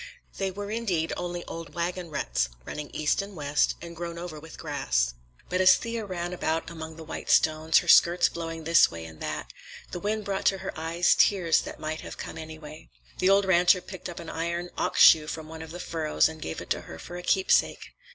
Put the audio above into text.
They were, indeed, only old wagon ruts, running east and west, and grown over with grass. But as Thea ran about among the white stones, her skirts blowing this way and that, the wind brought to her eyes tears that might have come anyway. The old rancher picked up an iron ox shoe from one of the furrows and gave it to her for a keepsake.